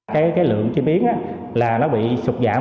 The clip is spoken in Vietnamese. cái lượng chim yến là nó bị sụt giảm